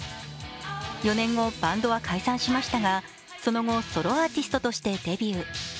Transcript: ４年後、バンドは解散しましたが、その後ソロアーティストとしてデビュー。